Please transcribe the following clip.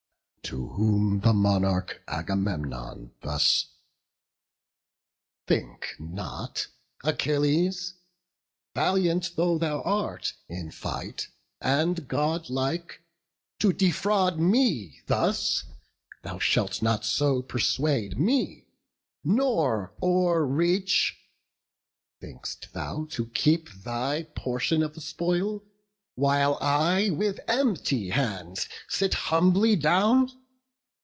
To whom the monarch Agamemnon thus: "Think not, Achilles, valiant though thou art In fight, and godlike, to defraud me thus; Thou shalt not so persuade me, nor o'erreach. Think'st thou to keep thy portion of the spoil, While I with empty hands sit humbly down?